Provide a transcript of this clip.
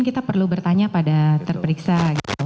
kita perlu bertanya pada terperiksa